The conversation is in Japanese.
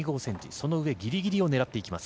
その上ぎりぎりを狙っていきます。